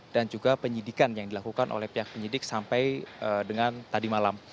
dan juga penyidikan yang dilakukan oleh pihak penyidik sampai dengan tadi malam